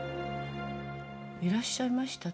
いらっしゃいました。